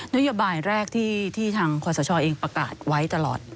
นโยบายแรกที่ทางขอสชเองประกาศไว้ตลอด